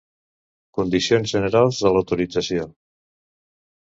Condicions generals de l'autorització.